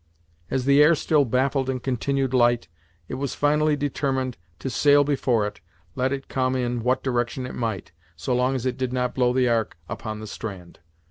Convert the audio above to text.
As the air still baffled and continued light, it was finally determined to sail before it, let it come in what direction it might, so long as it did not blow the ark upon the strand.